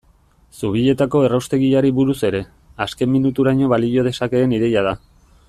Zubietako erraustegiari buruz ere, azken minuturaino balio dezakeen ideia da.